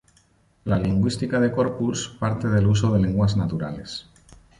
La Lingüística de corpus parte del uso de lenguas naturales.